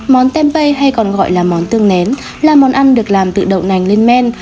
món tempeh hay còn gọi là món tương nén là món ăn được làm từ đậu nành lên men